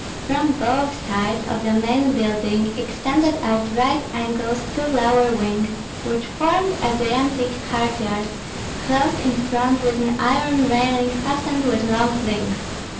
From both sides of the main building extended at right angles two lower wings, which formed a gigantic courtyard, closed in front with an iron railing fastened with long links.